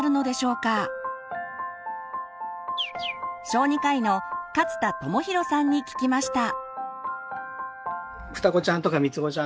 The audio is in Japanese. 小児科医の勝田友博さんに聞きました。